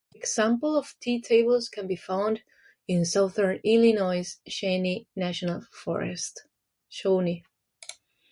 Examples of tea tables can be found in southern Illinois' Shawnee National Forest.